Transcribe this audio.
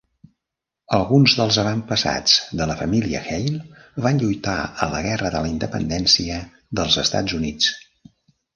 Alguns dels avantpassats de la família Haile van lluitar a la Guerra de la independència dels Estats Units.